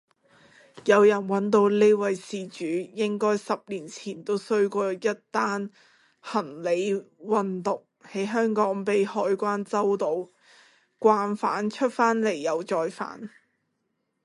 有人搵到呢位事主應該十年前都衰過一單行李運毒喺香港被海關周到，慣犯出返嚟又再犯